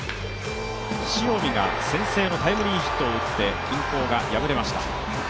塩見が先制のタイムリーヒットを打って、均衡が破れました。